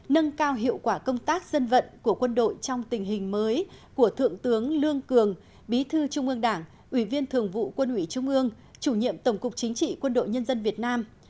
nâng cao hiệu quả công tác dân vận của quân đội trong tình hình mới của thượng tướng lương cường bí thư trung ương đảng ủy viên thường vụ quân ủy trung ương chủ nhiệm tổng cục chính trị quân đội nhân dân việt nam